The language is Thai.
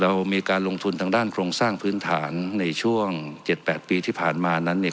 เรามีการลงทุนทางด้านโครงสร้างพื้นฐานในช่วง๗๘ปีที่ผ่านมานั้นเนี่ย